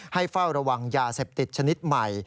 เฝ้าระวังยาเสพติดชนิดใหม่